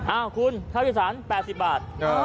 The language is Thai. อ้าวคุณข้าวดิสัน๘๐บาท